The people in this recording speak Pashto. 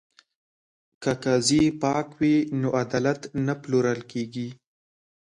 که قاضي پاک وي نو عدالت نه پلورل کیږي.